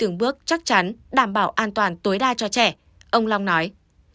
chúng ta không thể nóng vội mà phải đi từng bước chắc chắn đảm bảo an toàn tối đa cho trẻ ông long nói